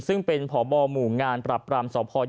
ซึ่งเป็นพบหมู่งานปรับปรามสพ